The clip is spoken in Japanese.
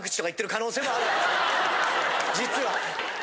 実は。